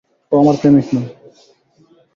ও আমার প্রেমিক নয়!